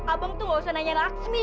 abang tuh gak usah nanya laksmi